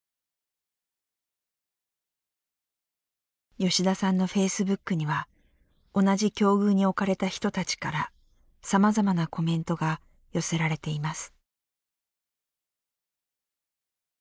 吉田さんのフェイスブックには同じ境遇に置かれた人たちからさまざまなコメントが寄せられています。